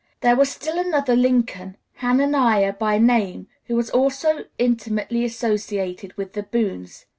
There was still another Lincoln, Hannaniah by name, who was also intimately associated with the Boones.